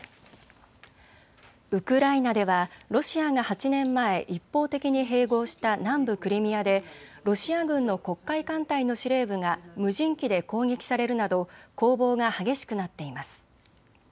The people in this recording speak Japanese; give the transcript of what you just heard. ウクライナではロシアが８年前、一方的に併合した南部クリミアでロシア軍の黒海艦隊の司令部が無人機で攻撃されるなど攻防が激しくなっています。